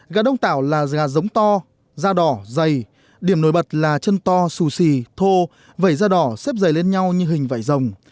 gà đông tảo là dà giống to da đỏ dày điểm nổi bật là chân to xù xì thô vẩy da đỏ xếp dày lên nhau như hình vẩy rồng